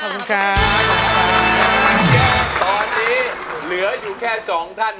ตอนนี้เหลืออยู่แค่สองท่าน